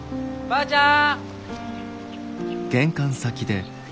ばあちゃん！